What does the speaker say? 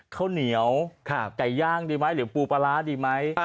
ข้าวเหนียวไก่ย่างดีไหมหรือปูปลาร้าดีไหม